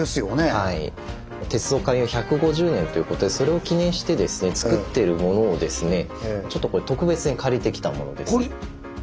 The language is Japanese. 鉄道開業１５０年ということでそれを記念してつくってるものをですねちょっと特別に借りてきたものです。